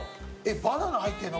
バナナ入ってるの？